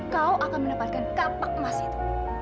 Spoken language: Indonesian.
kau akan mendapatkan kapak emas itu